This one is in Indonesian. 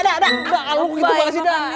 dap kamu gitu banget sih dap